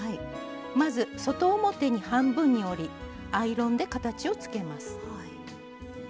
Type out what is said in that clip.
まず外表に半分に折りアイロンで形をつけます。